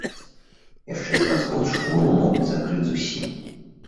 Яшчэ праз год школу могуць закрыць зусім.